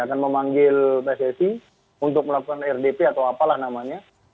akan memanggil pssi untuk melakukan rdp atau apalah namanya